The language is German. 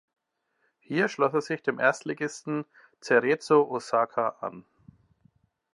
Hier schloss er sich dem Erstligisten Cerezo Osaka an.